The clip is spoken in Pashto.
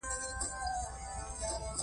دا اصول د نړيوالې ورورۍ اصول دی.